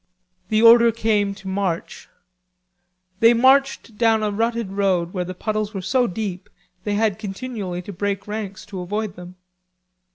The order came to march. They marched down a rutted road where the puddles were so deep they had continually to break ranks to avoid them.